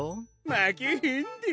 まけへんで！